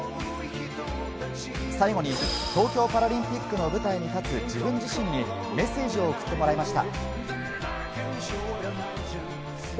最後に東京パラリンピックの舞台に立つ自分自身にメッセージを送ってもらいました。